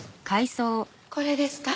これですか？